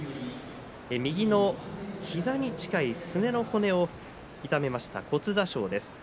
右の膝に近いすねの骨を痛めました骨挫傷です。